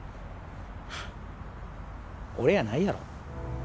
フッ俺やないやろ。